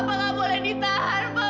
bapak nggak boleh ditahan pak